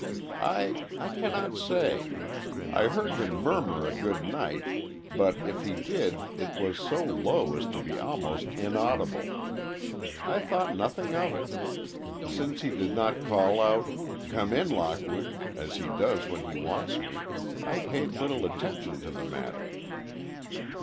"I—I cannot say. I heard him murmur a good night but if he did, it was so low as to be almost inaudible. I thought nothing of it. Since he did not call out. 'Come in, Lockwood,' as he does when he wants me, I paid little attention to the matter."